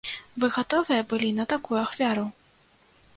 Вы гатовыя былі на такую ахвяру?